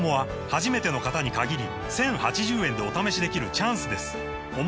初めての方に限り１０８０円でお試しできるチャンスです